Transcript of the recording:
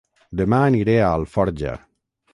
Dema aniré a Alforja